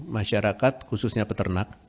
masyarakat khususnya peternak